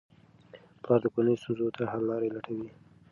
پلار د کورنۍ ستونزو ته حل لارې لټوي.